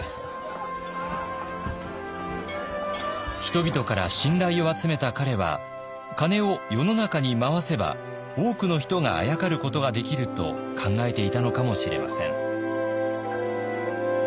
人々から信頼を集めた彼は金を世の中に回せば多くの人があやかることができると考えていたのかもしれません。